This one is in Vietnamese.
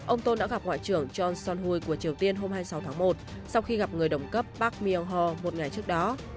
ông tôn đã gặp ngoại trưởng john son hui của triều tiên hôm hai mươi sáu tháng một sau khi gặp người đồng cấp park myo hor một ngày trước đó